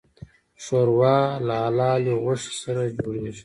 ښوروا له حلالې غوښې سره جوړیږي.